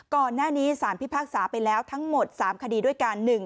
ก่อนหน้านี้สารพิพากษาไปแล้วทั้งหมด๓คดีด้วยกัน